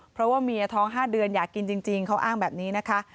เพราะว่าเมียท้อง๕เดือนอยากกินจริงเขาอ้างแบบนี้นะคะ